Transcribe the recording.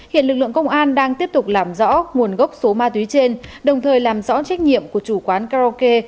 hiện lực lượng công an đang tiếp tục làm rõ nguồn gốc số ma túy trên đồng thời làm rõ trách nhiệm của chủ quán karaoke